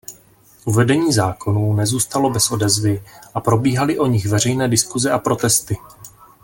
Uvedení zákonů nezůstalo bez odezvy a probíhaly o nich veřejné diskuse a protesty.